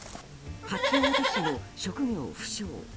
八王子市の職業不詳